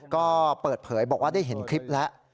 ก็เปิดเผยบอกว่าได้เห็นคลิปแล้ว